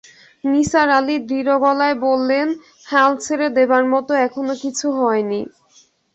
নিসার আলি দৃঢ় গলায় বললেন, হাল ছেড়ে দেবার মতো এখনো কিছু হয় নি।